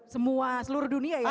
semua seluruh dunia ya